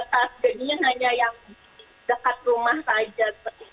tragedinya hanya yang dekat rumah saja